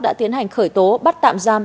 đã tiến hành khởi tố bắt tạm giam